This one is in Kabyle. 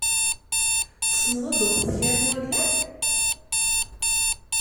Tessneḍ ad tewteḍ kra n wallal?